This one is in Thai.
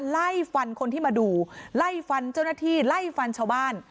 ไล่ฟันคนที่มาดูไล่ฟันเจ้าหน้าที่ไล่ฟันชาวบ้าน